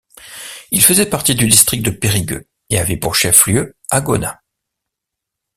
Il faisait partie du district de Perigueux et avait pour chef-lieu Agonat.